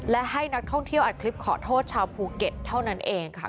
และให้นักท่องเที่ยวอัดคลิปขอโทษชาวภูเก็ตเท่านั้นเองค่ะ